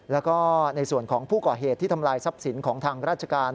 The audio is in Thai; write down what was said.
แล้วก็ในส่วนของผู้ก่อเหตุที่ทำลายทรัพย์สินของทางราชการ